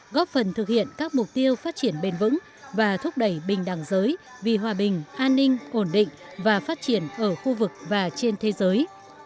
góp phần thực hiện các mục tiêu phát triển bền vững và thúc đẩy bình đẳng giới vì hòa bình an ninh ổn định và phát triển ở khu vực và trên thế giới